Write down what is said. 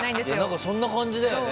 なんかそんな感じだよね。